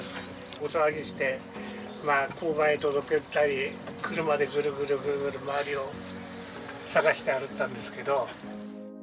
大騒ぎして、交番へ届けたり、車でぐるぐるぐるぐる周りを探してあるったんですけど。